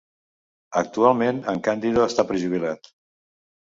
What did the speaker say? Actualment en Candido està prejubilat.